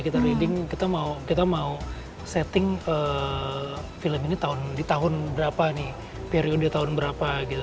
kita reading kita mau setting film ini di tahun berapa nih periode tahun berapa gitu